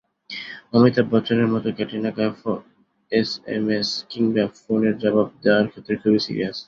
অমিতাভ বচ্চনের মতো ক্যাটরিনা কাইফও এসএমএস কিংবা ফোনের জবাব দেওয়ার ক্ষেত্রে খুবই সিরিয়াস।